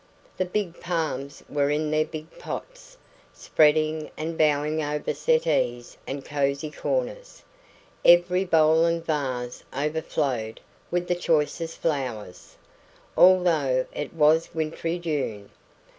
The big palms were in their big pots, spreading and bowing over settees and cosy corners; every bowl and vase overflowed with the choicest flowers, although it was wintry June.